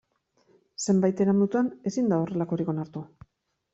Zenbait eremutan ezin da horrelakorik onartu.